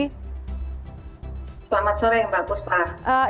selamat sore mbak buspa